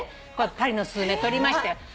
パリのスズメ撮りましたよ。